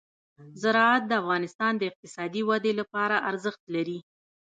زراعت د افغانستان د اقتصادي ودې لپاره ارزښت لري.